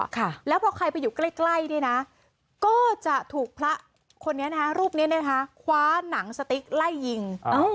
ถ้าพอใครไปอยู่ใกล้ก็จะถูกพระคนนี้คว้านหนังสติกไล่ยิง